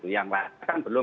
yang lain kan belum